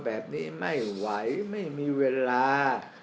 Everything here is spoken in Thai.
แบบนี้ไม่ไหวไม่มีเวลา